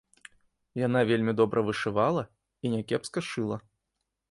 Яна вельмі добра вышывала і някепска шыла.